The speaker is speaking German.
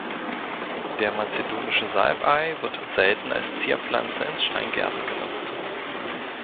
Der Mazedonische Salbei wird selten als Zierpflanze in Steingärten genutzt.